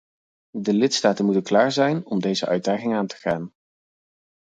De lidstaten moeten klaar zijn om deze uitdaging aan te gaan.